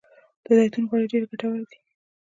د زیتون غوړي ډیر ګټور دي.